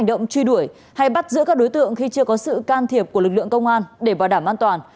đối tượng khi chưa có sự can thiệp của lực lượng công an để bảo đảm an toàn